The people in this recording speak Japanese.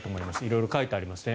色々書いてありますね